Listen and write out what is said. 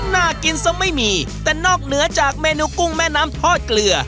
น่ากินซะไม่มีแต่นอกเหนือจากเมนูกุ้งแม่น้ำทอดเกลือ